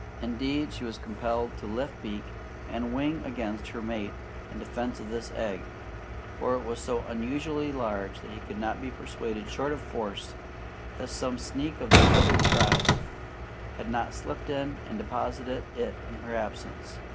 Indeed, she was compelled to lift beak and wing against her mate in defense of this egg, for it was so unusually large that he could not be persuaded short of force that some sneak of the feathered tribe had not slipped in and deposited it in her absence.